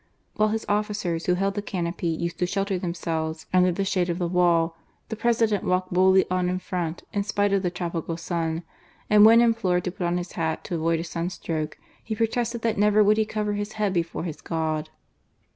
While his officers who held the canopy used to shelter themselves under the shade of the wall, the President walked boldly on in front, in spite of the tropical sun, and when implored to put on his hat to avoid a sunstroke, he protested that never would he cover his head before his God.